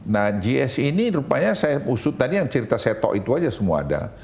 nah gs ini rupanya saya usut tadi yang cerita setok itu aja semua ada